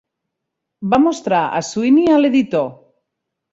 Va mostrar a Sweeney a l'editor.